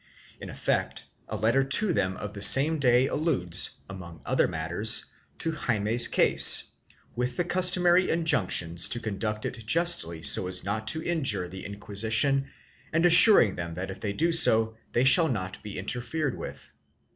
In effect, a letter to them of the same day alludes, among other matters, to Jaime's case, with the customary injunc tions to conduct it justly so as not to injure the Inquisition and assuring them that if they do so they shall not be interfered with.